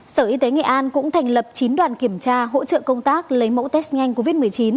sở y tế nghệ an cũng thành lập chín đoàn kiểm tra hỗ trợ công tác lấy mẫu test nhanh covid một mươi chín